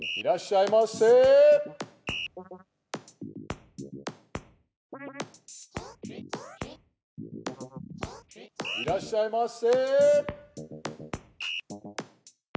いらっしゃいませ！